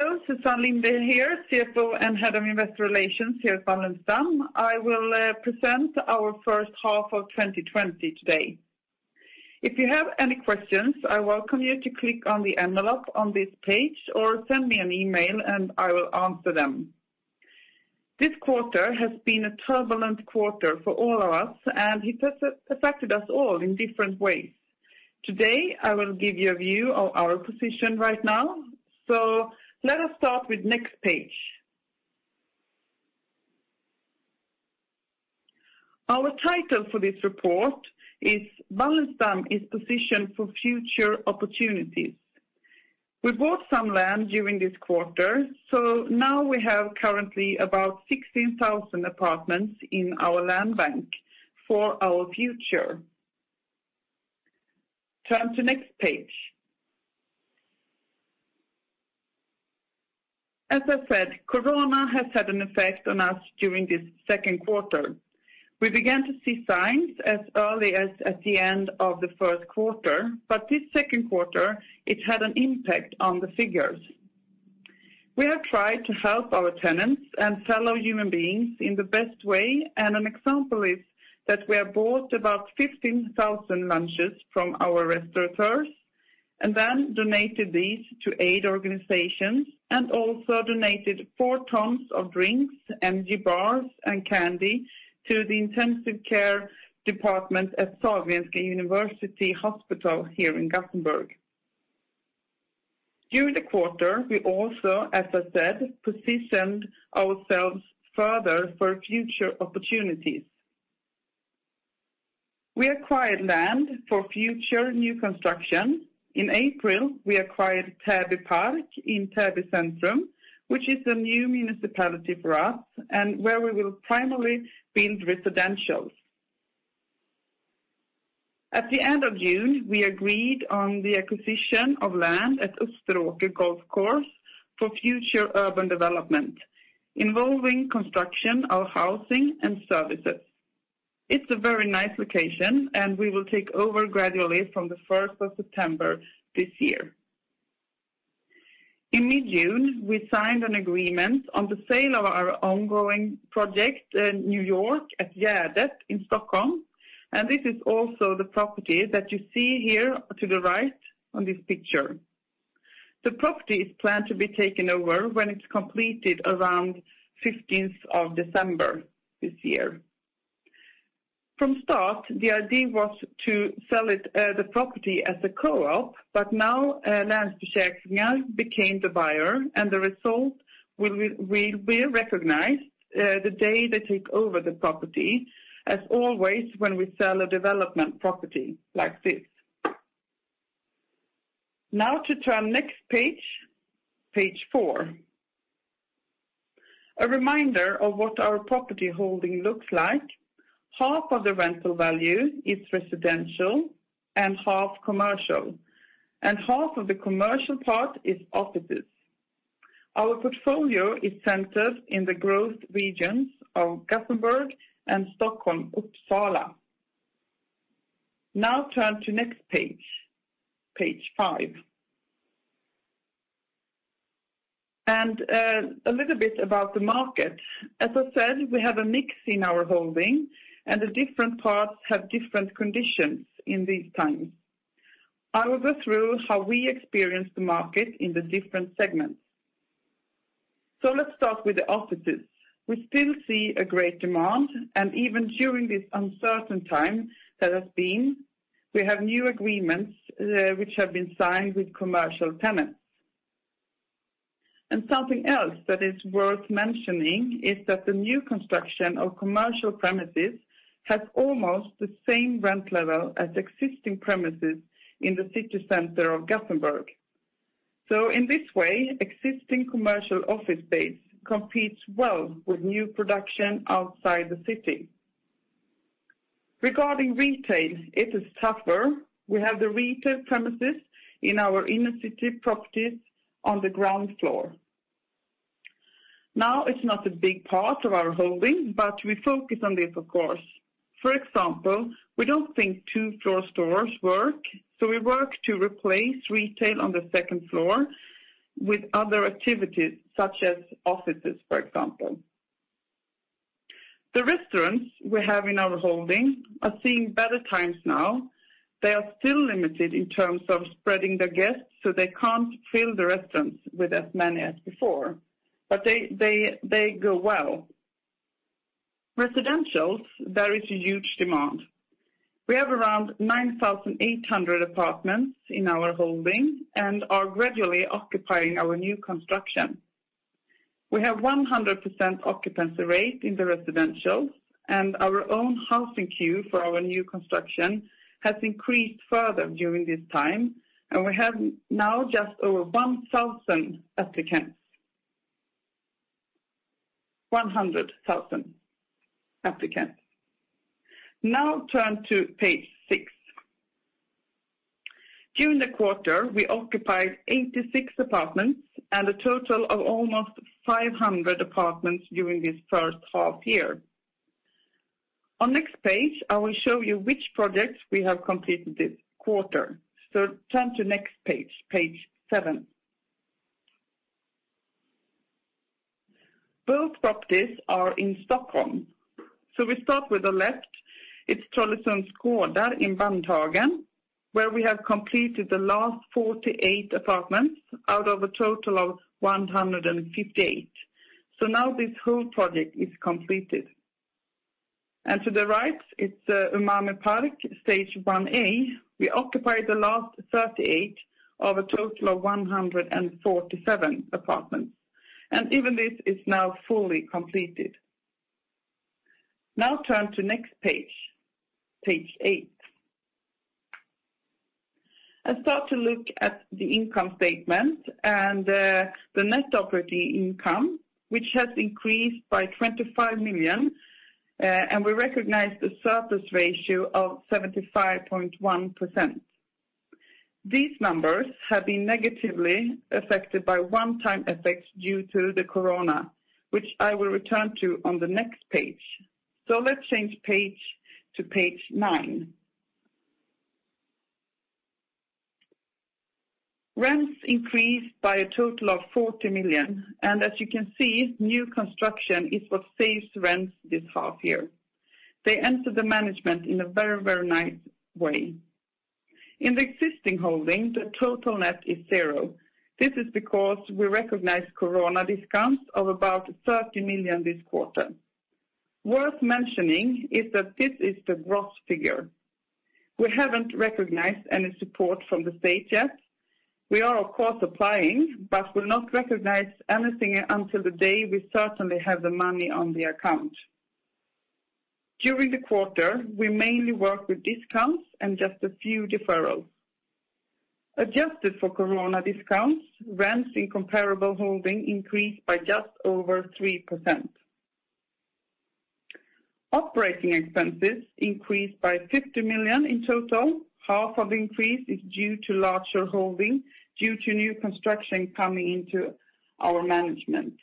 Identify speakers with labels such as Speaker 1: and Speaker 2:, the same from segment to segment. Speaker 1: Hello, Susann Linde here, CFO and Head of Investor Relations here at Wallenstam. I will present our first half of 2020 today. If you have any questions, I welcome you to click on the envelope on this page or send me an email and I will answer them. This quarter has been a turbulent quarter for all of us. It has affected us all in different ways. Today, I will give you a view of our position right now. Let us start with next page. Our title for this report is Wallenstam is Positioned for Future Opportunities. We bought some land during this quarter. Now we have currently about 16,000 apartments in our land bank for our future. Turn to next page. As I said, corona has had an effect on us during this second quarter. We began to see signs as early as at the end of the first quarter, this second quarter, it had an impact on the figures. We have tried to help our tenants and fellow human beings in the best way, an example is that we have bought about 15,000 lunches from our restaurateurs and then donated these to aid organizations, also donated four tons of drinks, energy bars, and candy to the intensive care department at Sahlgrenska University Hospital here in Gothenburg. During the quarter, we also, as I said, positioned ourselves further for future opportunities. We acquired land for future new construction. In April, we acquired Täbypark in Täby Centrum, which is a new municipality for us, and where we will primarily build residentials. At the end of June, we agreed on the acquisition of land at Österåker Golf Course for future urban development, involving construction of housing and services. It's a very nice location, and we will take over gradually from the 1st of September this year. In mid-June, we signed an agreement on the sale of our ongoing project, New York at Gärdet in Stockholm, and this is also the property that you see here to the right on this picture. The property is planned to be taken over when it's completed around 15th of December this year. From start, the idea was to sell the property as a co-op, but now Länsförsäkringar became the buyer, and the result will be recognized the day they take over the property, as always when we sell a development property like this. To turn next page four. A reminder of what our property holding looks like. Half of the rental value is residential and half commercial, and half of the commercial part is offices. Our portfolio is centered in the growth regions of Gothenburg and Stockholm, Uppsala. Turn to next page five. A little bit about the market. As I said, we have a mix in our holding, and the different parts have different conditions in these times. I will go through how we experience the market in the different segments. Let's start with the offices. We still see a great demand, and even during this uncertain time that has been, we have new agreements which have been signed with commercial tenants. Something else that is worth mentioning is that the new construction of commercial premises has almost the same rent level as existing premises in the city center of Gothenburg. In this way, existing commercial office space competes well with new production outside the city. Regarding retail, it is tougher. We have the retail premises in our inner-city properties on the ground floor. Now, it's not a big part of our holding, but we focus on this, of course. For example, we don't think two-floor stores work, so we work to replace retail on the second floor with other activities such as offices, for example. The restaurants we have in our holding are seeing better times now. They are still limited in terms of spreading their guests, so they can't fill the restaurants with as many as before, but they go well. Residentials, there is a huge demand. We have around 9,800 apartments in our holding and are gradually occupying our new construction. We have 100% occupancy rate in the residentials, and our own housing queue for our new construction has increased further during this time, and we have now just over 1,000 applicants. 100,000 applicants. Turn to page six. During the quarter, we occupied 86 apartments and a total of almost 500 apartments during this first half year. On next page, I will show you which projects we have completed this quarter. Turn to next page seven. Both properties are in Stockholm. We start with the left. It's Trollesundsgården in Bandhagen, where we have completed the last 48 apartments out of a total of 158. Now this whole project is completed. To the right, it's Umami Park, stage 1A. We occupied the last 38 of a total of 147 apartments. Even this is now fully completed. Turn to next page eight. Start to look at the income statement and the net operating income, which has increased by 25 million, and we recognize the surplus ratio of 75.1%. These numbers have been negatively affected by one-time effects due to the corona, which I will return to on the next page. Let's change page to page nine. Rents increased by a total of 40 million, and as you can see, new construction is what saves rents this half year. They enter the management in a very, very nice way. In the existing holding, the total net is zero. This is because we recognize corona discounts of about 30 million this quarter. Worth mentioning is that this is the gross figure. We haven't recognized any support from the state yet. We are, of course, applying, but will not recognize anything until the day we certainly have the money on the account. During the quarter, we mainly work with discounts and just a few deferrals. Adjusted for corona discounts, rents in comparable holding increased by just over 3%. Operating expenses increased by 50 million in total. Half of increase is due to larger holding due to new construction coming into our management.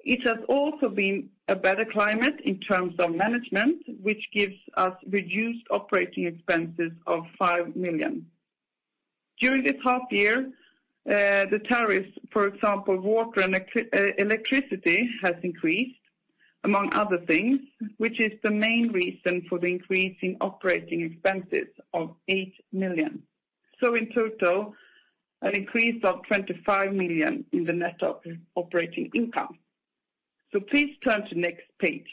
Speaker 1: It has also been a better climate in terms of management, which gives us reduced operating expenses of 5 million. During this half year, the tariffs, for example, water and electricity, has increased, among other things, which is the main reason for the increase in operating expenses of 8 million. In total, an increase of 25 million in the Net operating income. Please turn to next page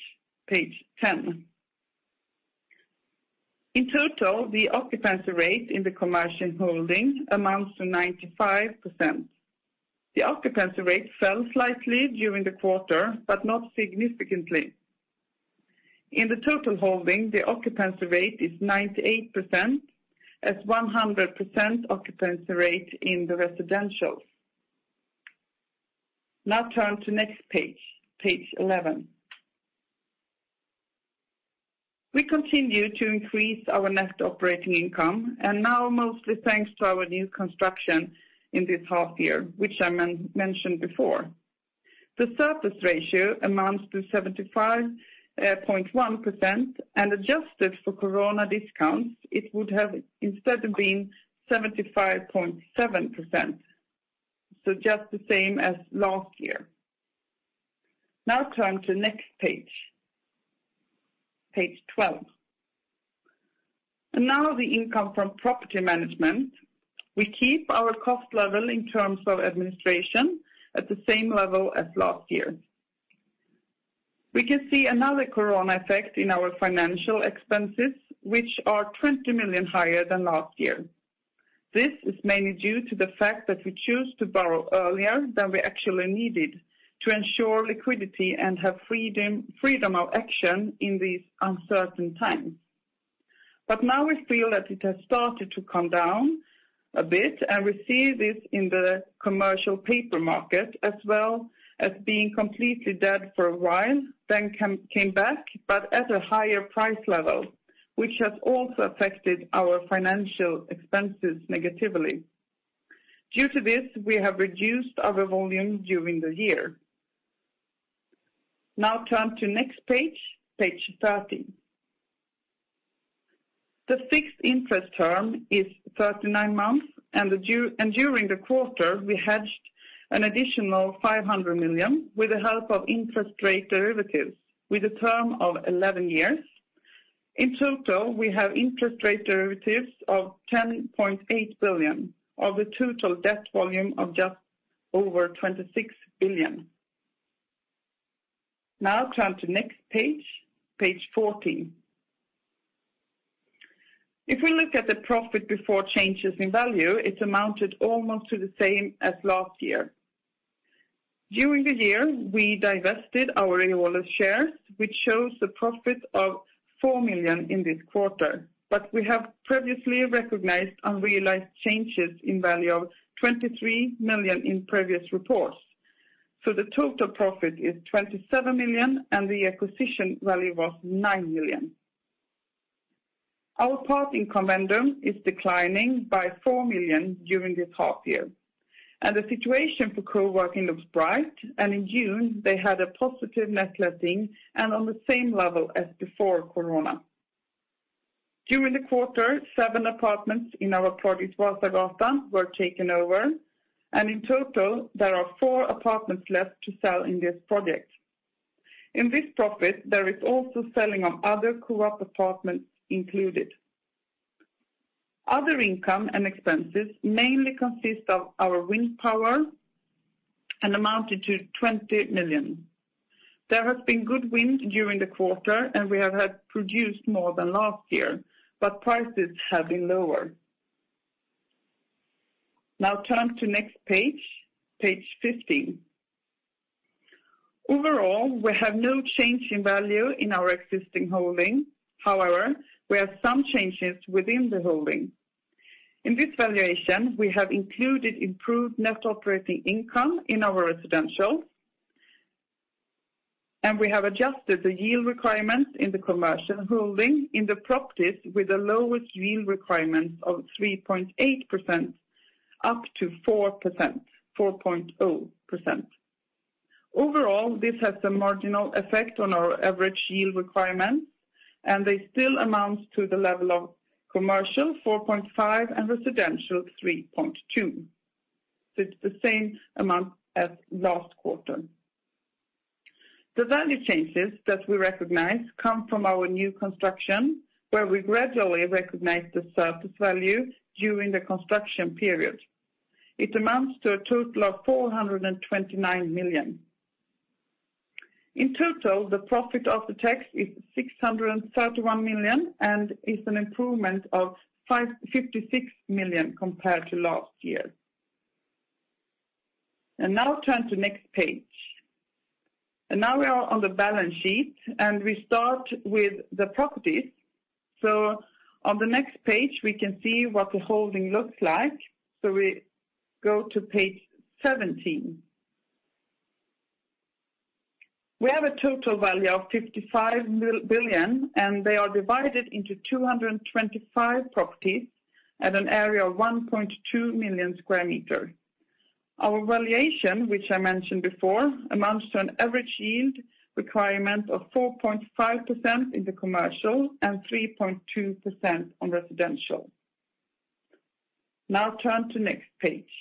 Speaker 1: 10. In total, the occupancy rate in the commercial holding amounts to 95%. The occupancy rate fell slightly during the quarter, but not significantly. In the total holding, the occupancy rate is 98%, as 100% occupancy rate in the residential. Now turn to next page 11. We continue to increase our net operating income, mostly thanks to our new construction in this half year, which I mentioned before. The surplus ratio amounts to 75.1%, adjusted for corona discounts, it would have instead been 75.7%, just the same as last year. Now turn to next page 12. Now the income from property management. We keep our cost level in terms of administration at the same level as last year. We can see another corona effect in our financial expenses, which are 20 million higher than last year. This is mainly due to the fact that we choose to borrow earlier than we actually needed to ensure liquidity and have freedom of action in these uncertain times. Now we feel that it has started to come down a bit, and we see this in the commercial paper market as well as being completely dead for a while, then came back, but at a higher price level, which has also affected our financial expenses negatively. Due to this, we have reduced our volume during the year. Now turn to next page 13. The fixed interest term is 39 months. During the quarter, we hedged an additional 500 million with the help of interest rate derivatives with a term of 11 years. In total, we have interest rate derivatives of 10.8 billion, of a total debt volume of just over 26 billion. Now turn to next page 14. If we look at the profit before changes in value, it's amounted almost to the same as last year. During the year, we divested our Rejlers shares, which shows the profit of 4 million in this quarter, but we have previously recognized unrealized changes in value of 23 million in previous reports. The total profit is 27 million, and the acquisition value was 9 million. Our parking operations is declining by 4 million during this half-year. The situation for coworking looks bright, and in June they had a positive net letting and on the same level as before corona. During the quarter, seven apartments in our project Vasagatan were taken over, and in total, there are four apartments left to sell in this project. In this profit, there is also selling of other co-op apartments included. Other income and expenses mainly consist of our wind power and amounted to 20 million. There has been good wind during the quarter, we have had produced more than last year, prices have been lower. Turn to next page 15. We have no change in value in our existing holding. However, we have some changes within the holding. In this valuation, we have included improved net operating income in our residential, we have adjusted the yield requirement in the commercial holding in the properties with the lowest yield requirement of 3.8% up to 4.0%. This has a marginal effect on our average yield requirements, they still amount to the level of commercial 4.5% and residential 3.2%. It's the same amount as last quarter. The value changes that we recognize come from our new construction, where we gradually recognize the fair value during the construction period. It amounts to a total of 429 million. In total, the profit after tax is 631 million and is an improvement of 556 million compared to last year. Now turn to next page. Now we are on the balance sheet, and we start with the properties. On the next page, we can see what the holding looks like. We go to page 17. We have a total value of 55 billion, and they are divided into 225 properties at an area of 1.2 million sq m. Our valuation, which I mentioned before, amounts to an average yield requirement of 4.5% in the commercial and 3.2% on residential. Now turn to next page.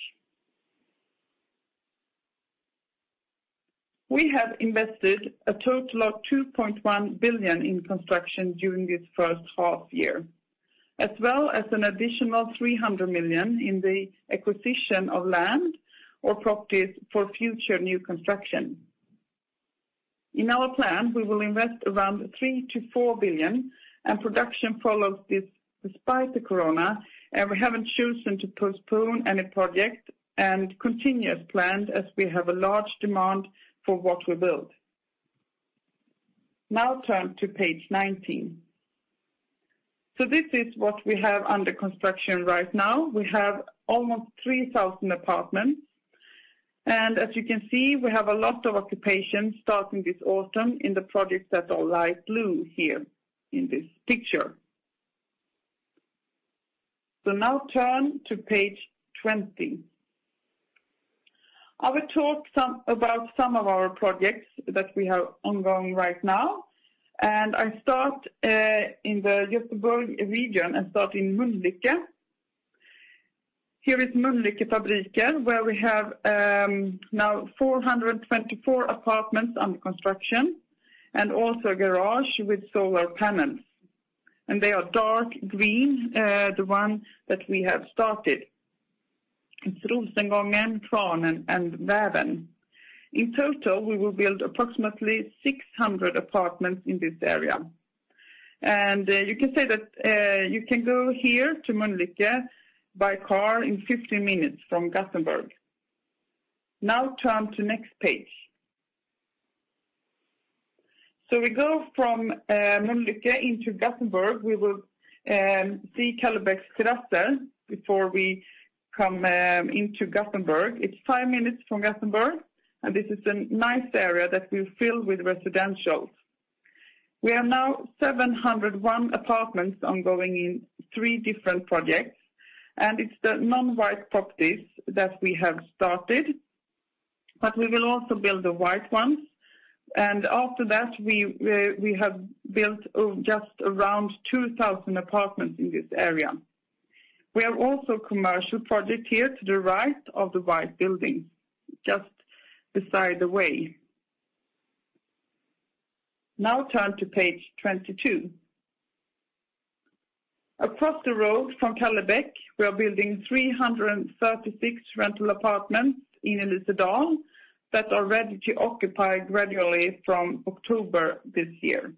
Speaker 1: We have invested a total of 2.1 billion in construction during this first half year, as well as an additional 300 million in the acquisition of land or properties for future new construction. In our plan, we will invest around 3 billion-4 billion. Production follows this despite the corona. We haven't chosen to postpone any project and continue as planned as we have a large demand for what we build. Now turn to page 19. This is what we have under construction right now. We have almost 3,000 apartments. As you can see, we have a lot of occupation starting this autumn in the projects that are light blue here in this picture. Now turn to page 20. I will talk about some of our projects that we have ongoing right now. I start in the Gothenburg region and start in Mölnlycke. Here is Mölnlycke Fabriker, where we have now 424 apartments under construction and also a garage with solar panels. They are dark green, the one that we have started. It's Rosengången, Tråden, and Väven. In total, we will build approximately 600 apartments in this area. You can go here to Mölnlycke by car in 15 minutes from Gothenburg. Now turn to next page. We go from Mölnlycke into Gothenburg. We will see Kallebäcks Terrasser before we come into Gothenburg. It's five minutes from Gothenburg, and this is a nice area that we fill with residentials. We are now 701 apartments ongoing in three different projects, and it's the non-white properties that we have started, but we will also build the white ones. After that, we have built just around 2,000 apartments in this area. We have also commercial project here to the right of the white building, just beside the way. Now turn to page 22. Across the road from Kallebäck, we are building 336 rental apartments in Elisedal that are ready to occupy gradually from October this year.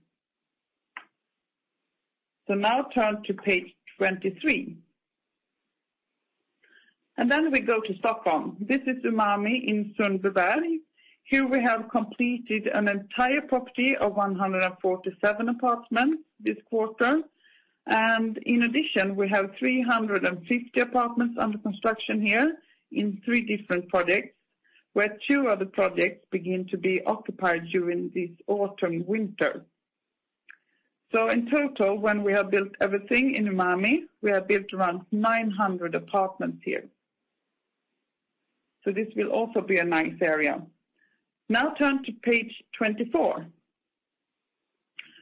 Speaker 1: Now turn to page 23. Then we go to Stockholm. This is Umami Park in Sundbyberg. Here we have completed an entire property of 147 apartments this quarter. In addition, we have 350 apartments under construction here in three different projects, where two of the projects begin to be occupied during this autumn, winter. In total, when we have built everything in Umami Park, we have built around 900 apartments here. This will also be a nice area. Now turn to page 24.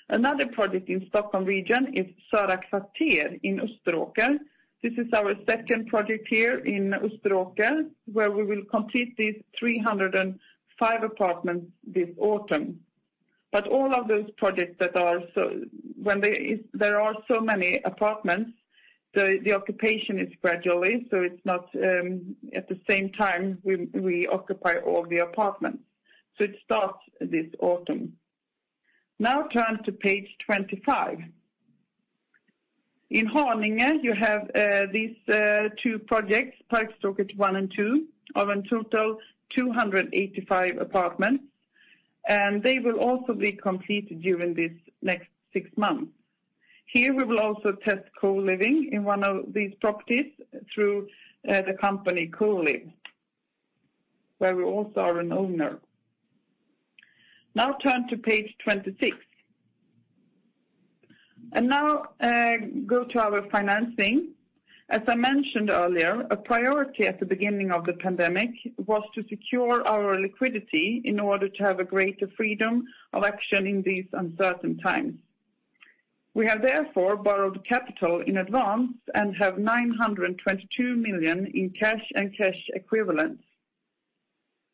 Speaker 1: Another project in Stockholm region is Söra Kvarter in Österåker. This is our second project here in Österåker, where we will complete these 305 apartments this autumn. All of those projects, when there are so many apartments, the occupation is gradually, so it's not at the same time we occupy all the apartments. It starts this autumn. Now turn to page 25. In Haninge, you have these two projects, Parkstråket One and Two, of in total 285 apartments, and they will also be completed during this next six months. Here we will also test co-living in one of these properties through the company Colive, where we also are an owner. Now turn to page 26. Now go to our financing. As I mentioned earlier, a priority at the beginning of the pandemic was to secure our liquidity in order to have a greater freedom of action in these uncertain times. We have therefore borrowed capital in advance and have 922 million in cash and cash equivalents.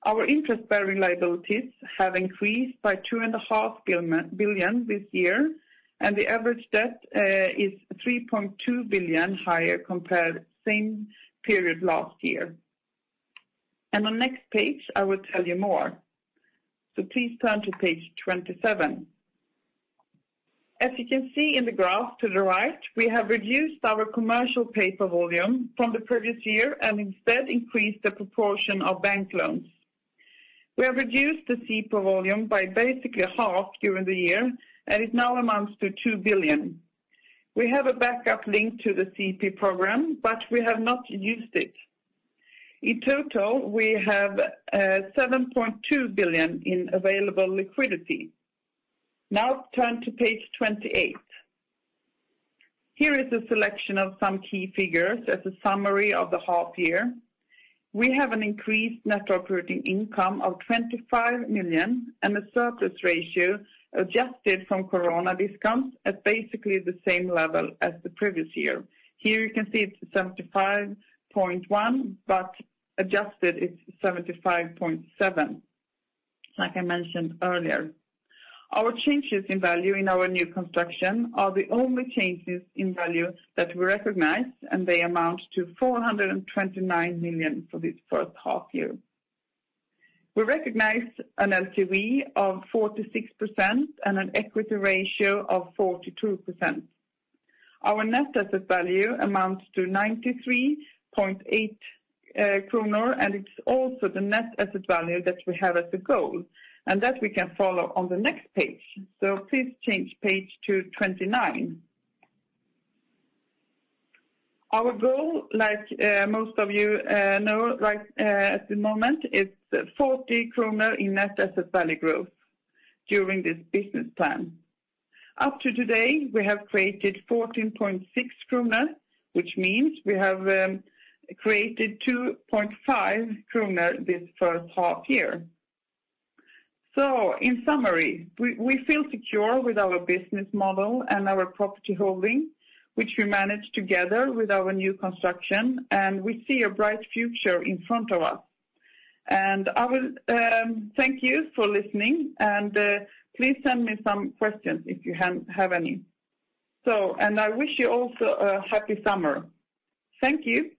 Speaker 1: Our interest-bearing liabilities have increased by 2.5 billion this year, and the average debt is 3.2 billion higher compared same period last year. On next page, I will tell you more. Please turn to page 27. As you can see in the graph to the right, we have reduced our commercial paper volume from the previous year and instead increased the proportion of bank loans. We have reduced the CP volume by basically half during the year, and it now amounts to 2 billion. We have a backup link to the CP program, but we have not used it. In total, we have 7.2 billion in available liquidity. Now turn to page 28. Here is a selection of some key figures as a summary of the half year. We have an increased net operating income of 25 million and a surplus ratio adjusted from COVID discounts at basically the same level as the previous year. Here you can see it's 75.1%, but adjusted, it's 75.7%, like I mentioned earlier. Our changes in value in our new construction are the only changes in value that we recognize, and they amount to 429 million for this first half year. We recognize an LTV of 46% and an equity ratio of 42%. Our net asset value amounts to 93.8 kronor, and it's also the net asset value that we have as a goal, and that we can follow on the next page. Please change page 29. Our goal, like most of you know, at the moment is 40 kronor in net asset value growth during this business plan. Up to today, we have created 14.6 kronor, which means we have created 2.5 kronor this first half-year. In summary, we feel secure with our business model and our property holding, which we manage together with our new construction, and we see a bright future in front of us. I will thank you for listening, and please send me some questions if you have any. I wish you also a happy summer. Thank you.